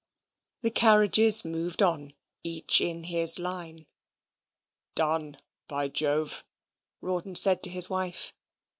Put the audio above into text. The carriages moved on, each in his line. "Done, by Jove," Rawdon said to his wife.